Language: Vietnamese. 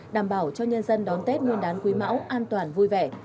đảm bảo cho nhân dân đón tết nguyên đán quý mão an toàn vui vẻ